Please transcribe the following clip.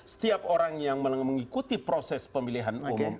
setiap orang yang mengikuti proses pemilihan umum